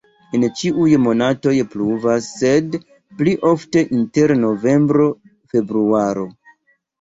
En ĉiuj monatoj pluvas, sed pli ofte inter novembro-februaro.